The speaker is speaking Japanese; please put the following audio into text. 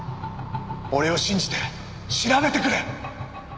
俺を信じて調べてくれ！